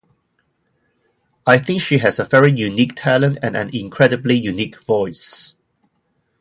I think she has a very unique talent and an incredibly unique voice.